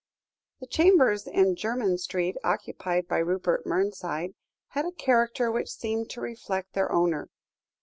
The chambers in Jermyn Street occupied by Rupert Mernside, had a character which seemed to reflect their owner.